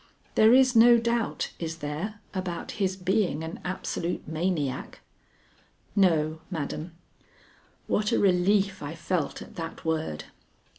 "There is no doubt, is there, about his being an absolute maniac?" "No, madam." What a relief I felt at that word!